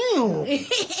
エヘヘヘ。